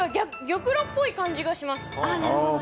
玉露っぽい感じがします。